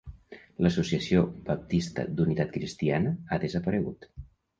L'Associació Baptista d'Unitat Cristiana ha desaparegut.